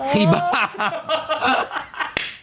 พี่บ้าย